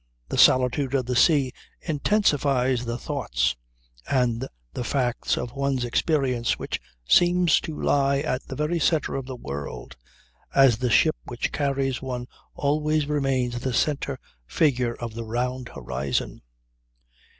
The solitude of the sea intensifies the thoughts and the facts of one's experience which seems to lie at the very centre of the world, as the ship which carries one always remains the centre figure of the round horizon.